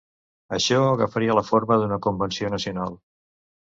Això agafaria la forma d'una Convenció Nacional.